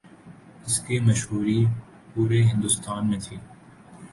اس کی مشہوری پورے ہندوستان میں تھی۔